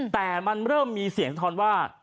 แต่มันเริ่มมีเสียงสะท้อนว่า